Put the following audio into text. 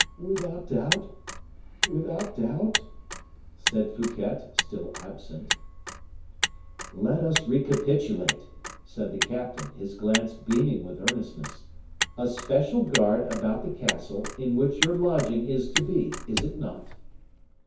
"Without doubt! without doubt!" said Fouquet, still absent. "Let us recapitulate," said the captain, his glance beaming with earnestness. "A special guard about the castle, in which your lodging is to be, is it not?"